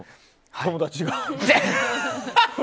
友達が。